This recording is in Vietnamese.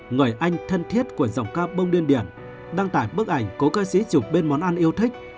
người anh thân thiết của giọng ca bông điên điển đăng tải bức ảnh cố ca sĩ chụp bên món ăn yêu thích